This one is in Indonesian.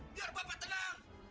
biar bapak tenang